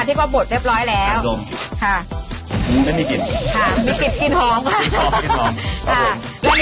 ถ้าเพื่อบทเรียบร้อยแล้วครับฮะกิ่งจรอบกินหอมครับเป็นล้อม